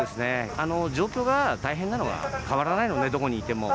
状況が大変なのは変わらないのでどこにいても。